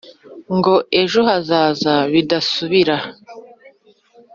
ngo ejo hazaza bidasubira.